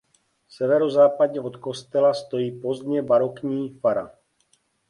Severozápadně od kostela stojí pozdně barokní fara.